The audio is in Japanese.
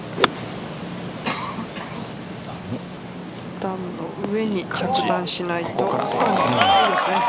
段の上に着弾しないと。